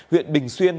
huyện bình xuyên